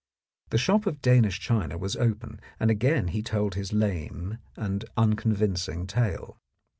The shop of Danish china was open, and again he told his lame and unconvincing tale.